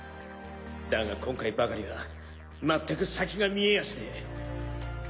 だが今回ばかりはまったく先が見えやしねえ。